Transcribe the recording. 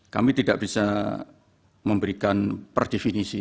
kami tidak bisa memberikan perdefinisi